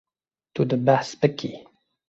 Tu dê behs bikî.